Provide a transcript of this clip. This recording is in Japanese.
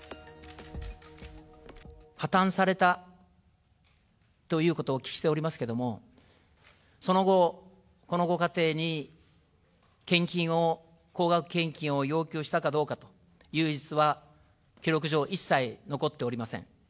破綻されたということをお聞きしておりますけれども、その後、このご家庭に献金を、高額献金を要求したかどうかという事実は記録上、一切残っておりません。